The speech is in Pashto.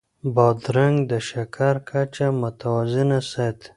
بادرنګ د شکر کچه متوازنه ساتي.